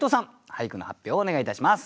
俳句の発表をお願いいたします。